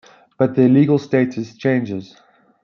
But their legal status changes.